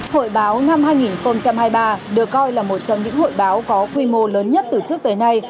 hội báo năm hai nghìn hai mươi ba được coi là một trong những hội báo có quy mô lớn nhất từ trước tới nay